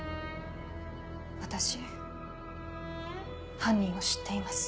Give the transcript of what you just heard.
私犯人を知っています。